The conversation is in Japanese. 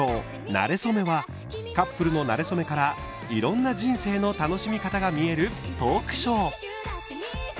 なれそめ」はカップルのなれ初めからいろんな人生の楽しみ方が見えるトークショー。